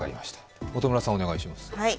元村さん、お願いします。